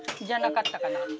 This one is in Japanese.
「じゃなかったかな」？